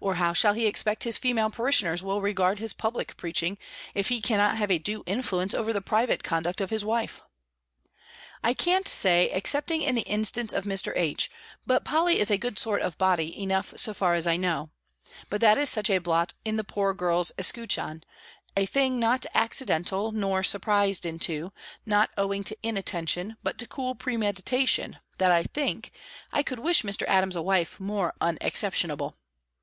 or how shall he expect his female parishioners will regard his public preaching, if he cannot have a due influence over the private conduct of his wife? I can't say, excepting in the instance of Mr. H. but Polly is a good sort of body enough so far as I know; but that is such a blot in the poor girl's escutcheon, a thing not accidental, nor surprised into, not owing to inattention, but to cool premeditation, that, I think, I could wish Mr. Adams a wife more unexceptionable.